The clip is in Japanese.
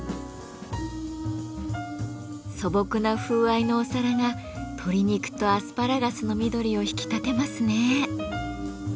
素朴な風合いのお皿が鶏肉とアスパラガスの緑を引き立てますね。